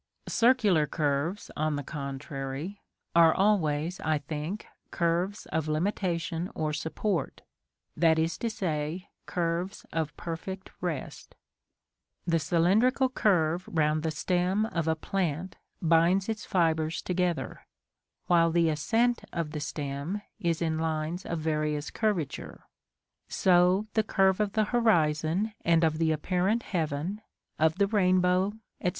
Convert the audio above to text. Circular curves, on the contrary, are always, I think, curves of limitation or support; that is to say, curves of perfect rest. The cylindrical curve round the stem of a plant binds its fibres together; while the ascent of the stem is in lines of various curvature: so the curve of the horizon and of the apparent heaven, of the rainbow, etc.